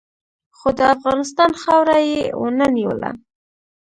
خو د افغانستان خاوره یې و نه نیوله.